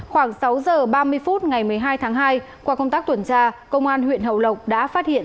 khoảng sáu giờ ba mươi phút ngày một mươi hai tháng hai qua công tác tuần tra công an huyện hậu lộc đã phát hiện